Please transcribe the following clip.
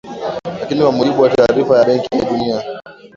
Lakini kwa mujibu wa taarifa ya Benki ya Dunia